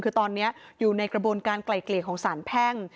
คือตอนนี้อยู่ในกระบวนการไกล่เกลี่ยของสารแพ่ง